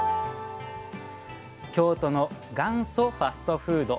京都の「元祖ファストフード」。